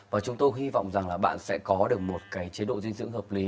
và chúng tôi hy vọng rằng là bạn sẽ có được một cái chế độ dinh dưỡng hợp lý